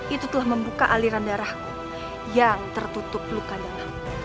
itu telah membuka aliran darahku yang tertutup luka dalam